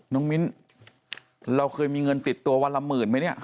มิ้นเราเคยมีเงินติดตัววันละหมื่นไหมเนี่ย